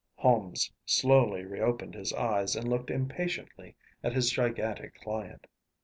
Holmes slowly reopened his eyes and looked impatiently at his gigantic client.